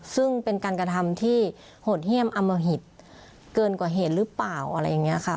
ซึ่งเป็นการกระทำที่โหดเยี่ยมอมหิตเกินกว่าเหตุหรือเปล่าอะไรอย่างนี้ค่ะ